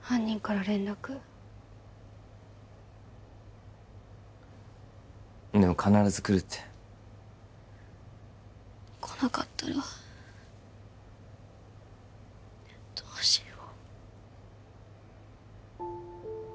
犯人から連絡でも必ずくるってこなかったらどうしよう